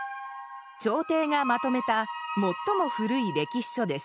朝廷がまとめた最も古い歴史書です。